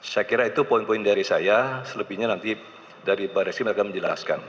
saya kira itu poin poin dari saya selebihnya nanti dari pak resim akan menjelaskan